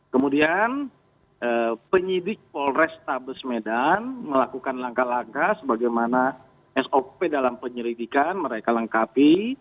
kemudian penyidik polrestabes medan melakukan langkah langkah sebagaimana sop dalam penyelidikan mereka lengkapi